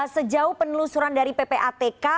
sejauh penelusuran dari ppatk